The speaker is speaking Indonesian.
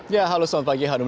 ya halo selamat pagi hanum